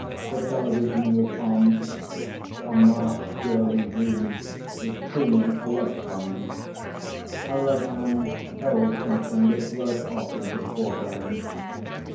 The television was on. A masked girl in green was crooning a love song. Her right hand held something that blurred off into the foreground.